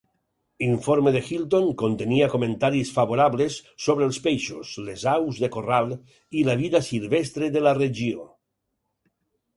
Informe de Hilton contenia comentaris favorables sobre els peixos, les aus de corral i la vida silvestre de la regió.